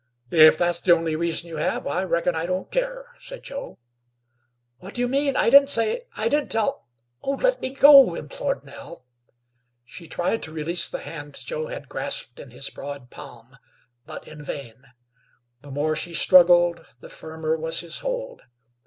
"If that's the only reason you have, I reckon I don't care," said Joe. "What do you mean? I didn't say I didn't tell oh! let me go!" implored Nell. She tried to release the hand Joe had grasped in his broad palm, but in vain; the more she struggled the firmer was his hold.